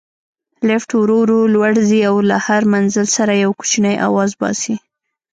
لفټ ورو ورو لوړ ځي او له هر منزل سره یو کوچنی اواز باسي.